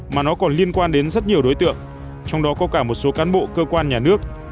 mà nó còn liên quan đến rất nhiều đối tượng trong đó có cả một số cán bộ cơ quan nhà nước